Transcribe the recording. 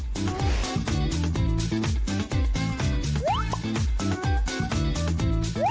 สารแหน่ง